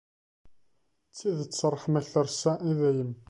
D tidet, ṛṛeḥma-k treṣṣa i dayem.